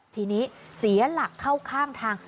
ทีนี้เสียหลักเข้าข้างทาง